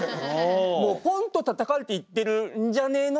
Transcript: もう「ポンッとたたかれて言ってるんじゃねえの？」